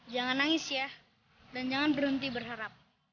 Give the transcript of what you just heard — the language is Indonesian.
jangan nangis ya dan jangan berhenti berharap